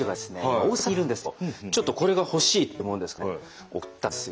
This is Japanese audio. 大阪にいるんですけどちょっとこれが欲しいって言うもんですからね送ったんですよ。